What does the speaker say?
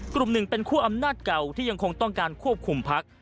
กลุ่มหนึ่งเป็นคั่วอำนาจเก่าที่ยังคงต้องการควบคุมพัก